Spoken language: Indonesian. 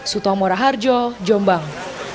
sutomora harjo jombang